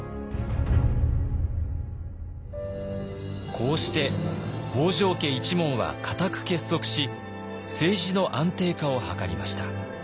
こうして北条家一門は固く結束し政治の安定化を図りました。